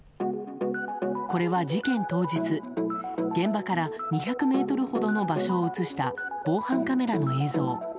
これは事件当日、現場から２００ｍほどの場所を映した防犯カメラの映像。